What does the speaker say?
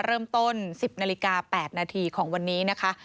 เริ่มต้น๑๐นาฬิกา๘นาทีของวันนี้นะคะ